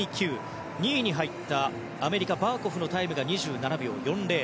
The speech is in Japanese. ２位に入ったアメリカ、バーコフのタイムが２７秒４０。